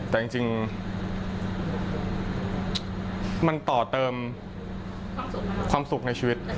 แต่จริงมันต่อเติมความสุขในชีวิต